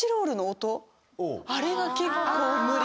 あれが結構。